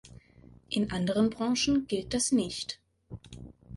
In anderen Branchen gilt das nicht.